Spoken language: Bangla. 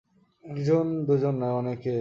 একজন দুজন নয়, অনেকে!